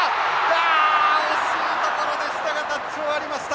あ惜しいところでしたがタッチを割りました。